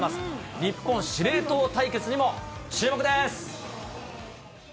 日本司令塔対決にも注目です。